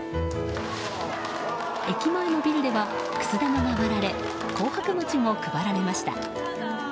駅前のビルでは、くす玉が割られ紅白餅も配られました。